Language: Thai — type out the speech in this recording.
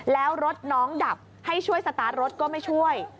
แล้วรถน้องดับให้ช่วยสตาร์ทรถก็ไม่ช่วย